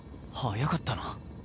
早かったな。